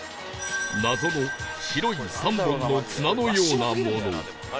謎の白い３本の綱のようなもの